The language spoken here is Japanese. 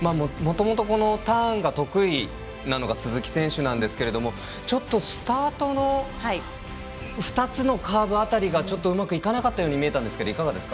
もともとターンが得意なのが鈴木選手なんですけれどもちょっとスタートの２つのカーブ辺りがちょっとうまくいかなかったように見えたんですが。